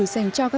dành cho các bạn